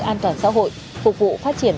an toàn xã hội phục vụ phát triển